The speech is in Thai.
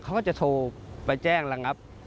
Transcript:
เขาก็จะโทรไปแจ้งระงับ